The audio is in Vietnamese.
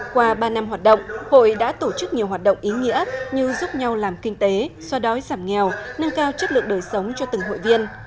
qua ba năm hoạt động hội đã tổ chức nhiều hoạt động ý nghĩa như giúp nhau làm kinh tế xoa đói giảm nghèo nâng cao chất lượng đời sống cho từng hội viên